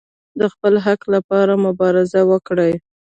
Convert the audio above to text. د خپل حق لپاره مبارزه وکړئ